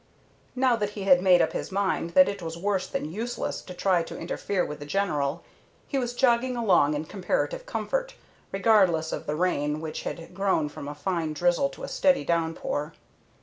Now that he had made up his mind that it was worse than useless to try to interfere with the General, he was jogging along in comparative comfort, regardless of the rain which had grown from a fine drizzle to a steady downpour.